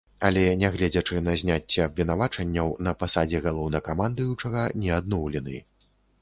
Але нягледзячы на зняцце абвінавачванняў, на пасадзе галоўнакамандуючага не адноўлены.